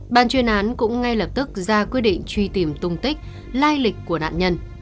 ban chuyên án cũng ngay lập tức ra quyết định truy tìm tung tích lai lịch của nạn nhân